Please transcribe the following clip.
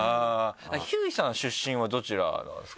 ひゅーいさんは出身はどちらなんですか？